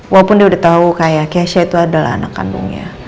walaupun dia udah tahu kayak keisha itu adalah anak kandungnya